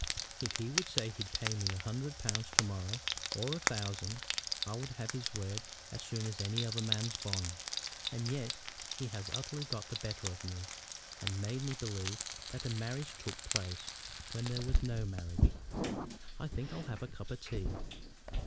If he would say he'd pay me a hundred pounds to morrow, or a thousand, I would have his word as soon as any other man's bond. And yet he has utterly got the better of me, and made me believe that a marriage took place, when there was no marriage. I think I'll have a cup of tea."